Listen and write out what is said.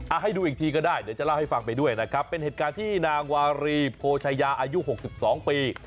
ให้ดูอีกทีก็ได้เดี๋ยวจะเล่าให้ฟังไปด้วยนะครับเป็นเหตุการณ์ที่นางวารีโพชายาอายุหกสิบสองปี